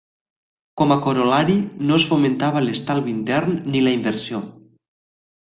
Com a corol·lari no es fomentava l'estalvi intern ni la inversió.